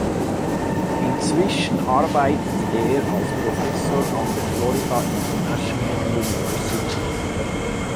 Inzwischen arbeitet er als Professor an der Florida International University.